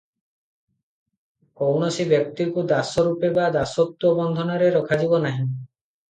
କୌଣସି ବ୍ୟକ୍ତିକୁ ଦାସ ରୂପେ ବା ଦାସତ୍ତ୍ୱ ବନ୍ଧନରେ ରଖାଯିବ ନାହିଁ ।